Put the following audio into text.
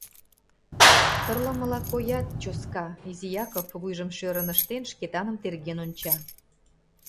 — Тырлымыла коят, чоска, — изи Якып, вуйжым шӧрын ыштен, Шкетаным терген онча.